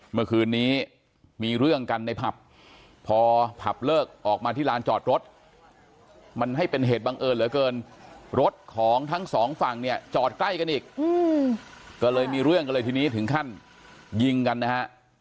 เมื่อคืนนี้มีเรื่องกันในผับพอผับเลิกออกมาที่ลานจอดรถมันให้เป็นเหตุบังเอิญเหลือเกินรถของทั้งสองฝั่งเนี่ยจอดใกล้กันอีกก็เลยมีเรื่องกันเลยทีนี้ถึงขั้นยิงกันนะฮะ